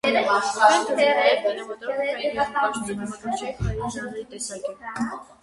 Ֆենթըզին նաև կինեմատոգրաֆիայի, գեղանկարչություն, համակարգչային խաղերի ժանրի տեսակ է։